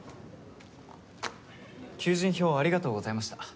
求人票ありがとうございました。